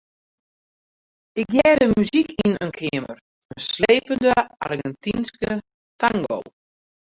Ik hearde muzyk yn in keamer, in slepende Argentynske tango.